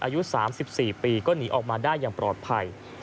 อายุ๓๔ปีก็หนีออกมาได้อย่างปลอดภัย